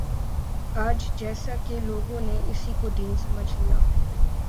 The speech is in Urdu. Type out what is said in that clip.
آج جیساکہ کچھ لوگوں نے اسی کو دین سمجھ لیا